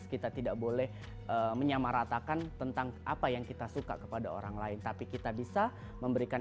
kita tidak boleh menyamaratakan tentang apa yang kita suka kepada orang lain tapi kita bisa memberikan